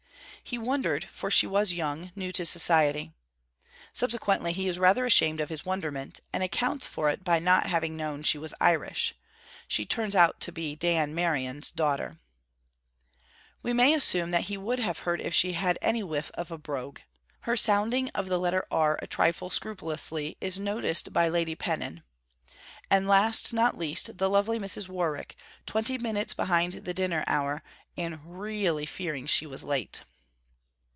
He wondered, for she was young, new to society. Subsequently he is rather ashamed of his wonderment, and accounts for it by 'not having known she was Irish.' She 'turns out to be Dan Merion's daughter.' We may assume that he would have heard if she had any whiff of a brogue. Her sounding of the letter R a trifle scrupulously is noticed by Lady Pennon: 'And last, not least, the lovely Mrs. Warwick, twenty minutes behind the dinner hour, and r r really fearing she was late.'